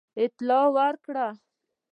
اطلاع ورکړه.